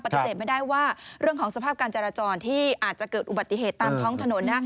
ไม่ได้ว่าเรื่องของสภาพการจราจรที่อาจจะเกิดอุบัติเหตุตามท้องถนน